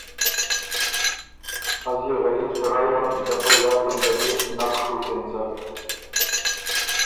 از يې غریب سړئ هوم دۀ په ݫاته م دل يې بو نک ڒُوک اېنڅک۔